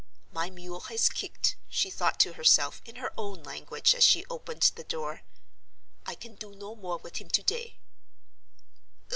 "My mule has kicked," she thought to herself, in her own language, as she opened the door. "I can do no more with him to day."